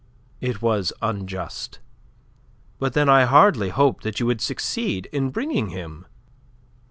"It was unjust. But then I hardly hoped that you would succeed in bringing him."